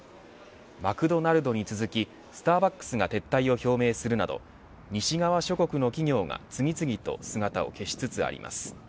マクドナルドに続きスターバックスが撤退を表明するなど西側諸国の企業が次々と姿を消しつつあります。